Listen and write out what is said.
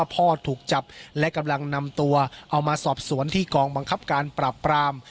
ถูกจับและกำลังนำตัวเอามาสอบสวนที่กองบังคับการปราบปราม